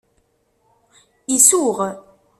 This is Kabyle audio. Isuɣ.